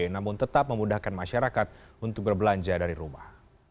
namun tetap memudahkan masyarakat untuk berbelanja dari rumah